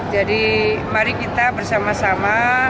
jadi mari kita bersama sama